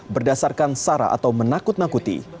berdasarkan sara atau menakut nakuti